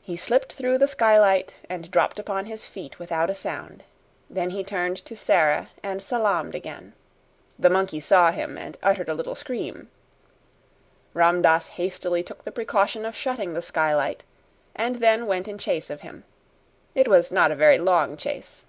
He slipped through the skylight and dropped upon his feet without a sound. Then he turned to Sara and salaamed again. The monkey saw him and uttered a little scream. Ram Dass hastily took the precaution of shutting the skylight, and then went in chase of him. It was not a very long chase.